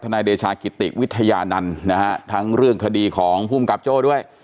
นายเดชากิติวิทยานันต์นะฮะทั้งเรื่องคดีของภูมิกับโจ้ด้วย